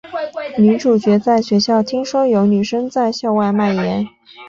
女主角在学校听说有女生在校外卖淫。